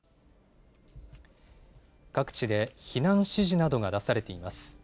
各地で避難指示などが出されています。